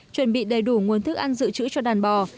chuẩn bị đầy đủ nguồn thức ăn dự trữ cho đàn bò